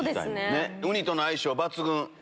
ウニとの相性抜群！